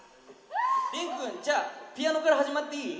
れんくんじゃあピアノから始まっていい？